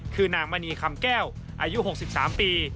คือนางมณีคำแก้วอายุ๖๓ปี